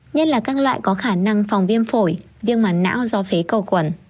nhất là các loại có khả năng phòng viêm phổi viêm màn não do phế cầu quẩn